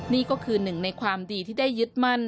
นี่ก็คือหนึ่งในความดีที่ได้ยึดมั่น